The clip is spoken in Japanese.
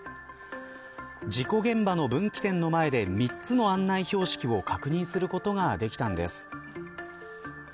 事故現場の分岐点の前で３つの案内標識を確認することができたんです。